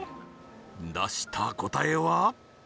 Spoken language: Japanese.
出した答えは？